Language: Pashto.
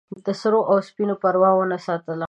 د سرو او سپینو پروا ونه ساتله.